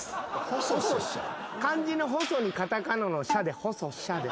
漢字の「細」にカタカナの「シャ」で。